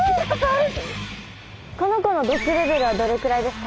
この子の毒レベルはどれくらいですか？